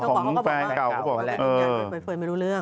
ก็บอกแหละ